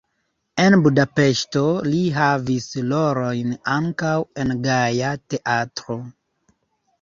En Budapeŝto li havis rolojn ankaŭ en "Gaja Teatro".